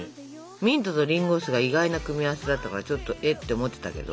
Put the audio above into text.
ミントとりんご酢が意外な組み合わせだったからちょっと「えっ？」って思ってたけど。